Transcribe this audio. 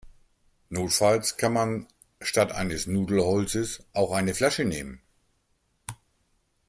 Notfalls kann man statt eines Nudelholzes auch eine Flasche nehmen.